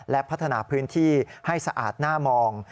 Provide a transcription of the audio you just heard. และพัฒนาพื้นที่ให้สะอาดหน้ามอง